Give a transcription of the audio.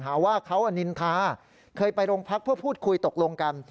หาว่าเขาอนินทาเคยไปโรงพักเพื่อพูดคุยตกลงกัน